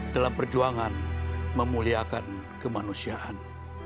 dalam perjuangan memuliakan kemanusiaan